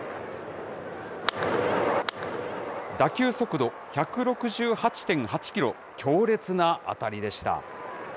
打球速度１６８．８キロ、強烈な当たりでした。